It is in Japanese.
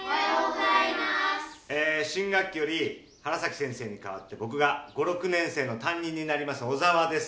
えー新学期より原崎先生に替わって僕が５、６年生の担任になります小沢です。